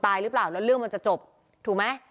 หรือเปล่าแล้วเรื่องมันจะจบถูกไหม